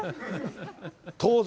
当然。